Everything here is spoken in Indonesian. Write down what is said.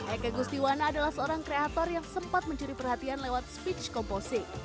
eka gustiwana adalah seorang kreator yang sempat mencuri perhatian lewat speech komposic